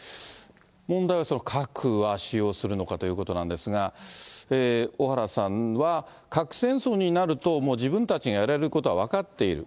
問題は核は使用するのかということなんですが、小原さんは、核戦争になると、自分たちがやられることは分かっている。